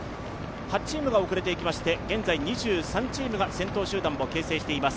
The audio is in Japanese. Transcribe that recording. ８チームが遅れていきまして現在２３チームが先頭集団を形成しています。